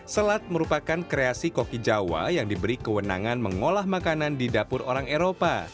selat merupakan kreasi koki jawa yang diberi kewenangan mengolah makanan di dapur orang eropa